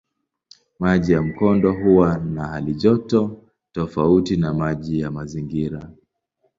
Maji ya mkondo huwa na halijoto tofauti na maji ya mazingira.